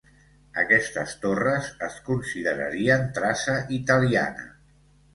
Aquestes torres es considerarien traça italiana.